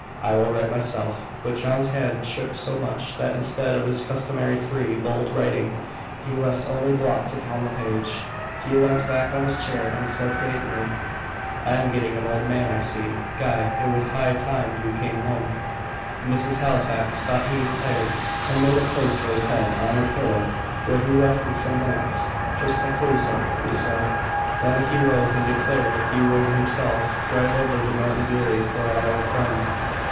"I will write myself." But John's hand shook so much, that instead of his customary free, bold writing, he left only blots upon the page. He leant back in his chair, and said faintly "I am getting an old man, I see. Guy, it was high time you came home." Mrs. Halifax thought he was tired, and made a place for his head on her pillow, where he rested some minutes, "just to please her," he said. Then he rose and declared he would himself drive over to Norton Bury for our old friend.